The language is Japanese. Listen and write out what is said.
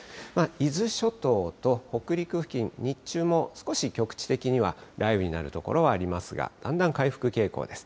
伊豆諸島と北陸付近、日中も少し局地的には雷雨になる所はありますが、だんだん回復傾向です。